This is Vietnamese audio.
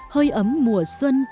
hơi ấm mùa xuân